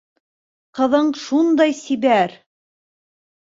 - Ҡыҙың шундай сибәр...